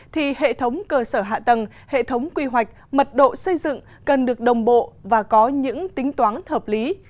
thì hệ thống cơ sở hạ tầng hệ thống quy hoạch mật độ xây dựng cần được đồng bộ và có những tính toán hợp lý